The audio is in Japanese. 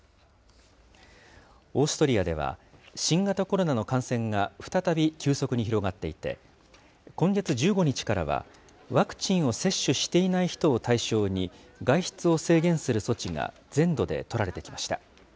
オーストリアでは、新型コロナの感染が再び急速に広がっていて、今月１５日からは、ワクチンを接種していない人を対象に、外出を制限する措置が全土で取られてきました。